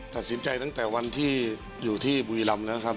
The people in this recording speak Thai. ตัดสินใจตั้งแต่วันที่อยู่ที่บุรีรำแล้วครับ